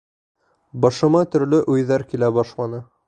Башыма төрлө уйҙар килә башланы.